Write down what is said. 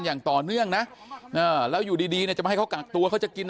อย่างต่อเนื่องนะแล้วอยู่ดีดีเนี่ยจะมาให้เขากักตัวเขาจะกิน